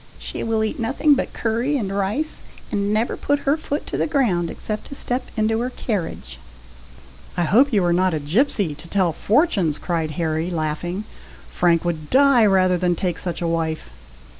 She will eat nothing but curry and rice, and never put her foot to the ground except to step into her carriage." "I hope you are not a gipsey, to tell fortunes!" cried Harry, laughing; "Frank would die rather than take such a wife."